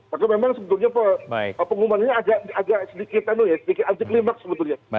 karena memang sebetulnya pengumuman ini agak sedikit anti klimat sebetulnya